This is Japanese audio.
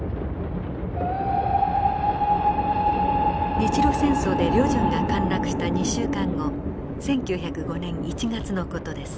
日露戦争で旅順が陥落した２週間後１９０５年１月の事です。